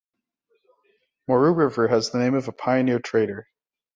Moreau River has the name of a pioneer trader.